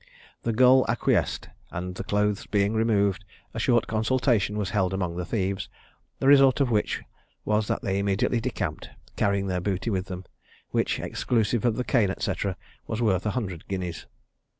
The gull acquiesced, and the clothes being removed, a short consultation was held among the thieves, the result of which was that they immediately decamped, carrying their booty with them, which, exclusive of the cane &c., was worth a hundred guineas.